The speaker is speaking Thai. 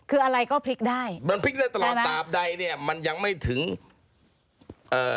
คืออะไรก็พลิกได้มันพลิกได้ตลอดตราบใดเนี้ยมันยังไม่ถึงเอ่อ